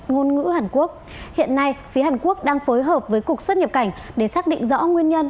ngôn ngữ hàn quốc hiện nay phía hàn quốc đang phối hợp với cục xuất nhập cảnh để xác định rõ nguyên nhân